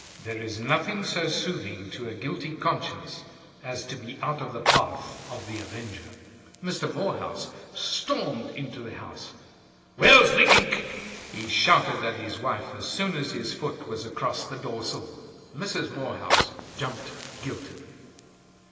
There is nothing so soothing to a guilty conscience as to be out of the path of the avenger. Mr. Morehouse stormed into the house. "Where's the ink?" he shouted at his wife as soon as his foot was across the doorsill. Mrs. Morehouse jumped, guiltily.